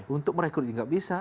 untuk merekrut dia tidak bisa